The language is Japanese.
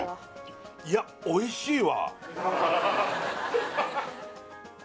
いやおいしいわ！